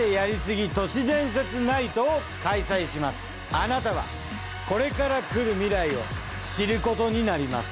あなたはこれからくる未来を知ることになります。